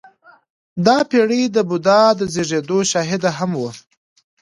• دا پېړۍ د بودا د زېږېدو شاهده هم وه.